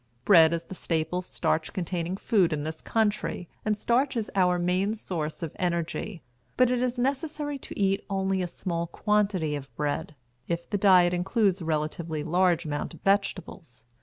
Bread is the staple starch containing food in this country, and starch is our main source of energy, but it is necessary to eat only a small quantity of bread, if the diet includes a relatively large amount of vegetables.